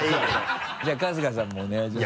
じゃあ春日さんもお願いします。